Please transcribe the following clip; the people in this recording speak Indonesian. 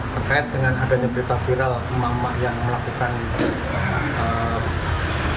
berkait dengan adanya berita viral mak mak yang melakukan ini